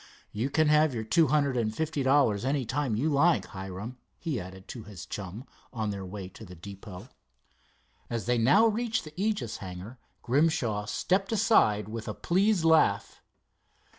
"You can have your two hundred and fifty dollars any time you like, Hiram." he added to his chum on their way to the depot. As they now reached the Aegis hangar, Grimshaw stepped aside with a pleased laugh.